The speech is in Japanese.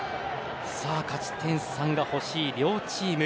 勝ち点３が欲しい両チーム。